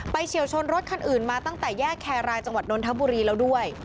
เฉียวชนรถคันอื่นมาตั้งแต่แยกแครรายจังหวัดนนทบุรีแล้วด้วย